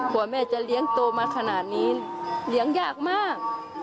แม่จะเลี้ยงโตมาขนาดนี้เลี้ยงยากมาก